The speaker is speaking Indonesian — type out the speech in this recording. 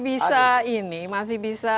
bisa ini masih bisa